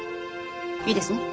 いいですね？